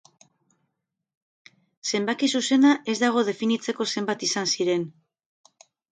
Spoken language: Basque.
Zenbaki zuzena ez dago definitzeko zenbat izan ziren.